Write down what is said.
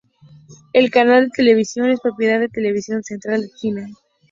El canal de televisión es propiedad de Televisión Central de China.